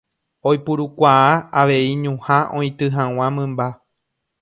Oipurukuaa avei ñuhã oity hag̃ua mymba.